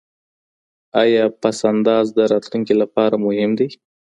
ایا پس انداز د راتلونکي لپاره مهم دی؟